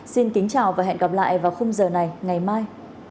xin kính chào và hẹn gặp lại vào khung giờ này ngày mai